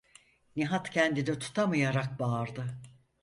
Nihat kendini tutamayarak bağırdı: